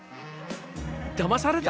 だまされた！？